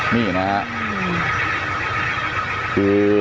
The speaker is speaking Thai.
นี่เห็นฮะ